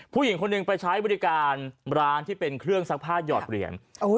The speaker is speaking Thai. ผู้หญิงคนหนึ่งไปใช้บริการร้านที่เป็นเครื่องซักผ้าหยอดเหรียญ